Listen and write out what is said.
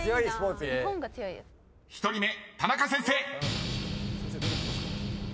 ［１人目田中先生］